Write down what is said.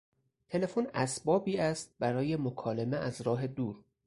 تلفن اسبابی است برای مکالمه از راه دور.